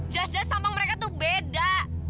jelas jelas tampang mereka tuh beda